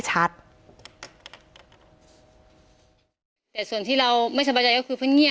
ถ้าใครอยากรู้ว่าลุงพลมีโปรแกรมทำอะไรที่ไหนยังไง